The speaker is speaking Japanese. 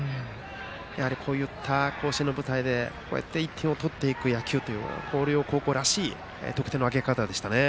こういった甲子園の舞台で１点を取っていく野球というものは広陵高校らしい得点の挙げ方でしたね。